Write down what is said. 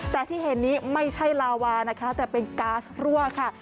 แต่ที่เห็นนี้ไม่ใช่ลาวานะคะแต่เป็นก๊าซรั่วค่ะ